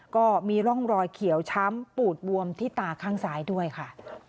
ก็มีร่องรอยเขียวช้ำปูดบวมที่ตาข้างซ้ายด้วยค่ะ